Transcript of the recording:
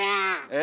え？